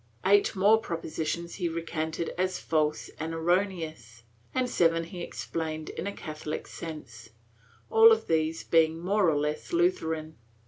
Eight more propositions he recanted as false and erroneous, and seven he explained in a Catholic sense — all of these being more or less Lutheran.